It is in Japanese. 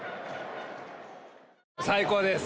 最高です。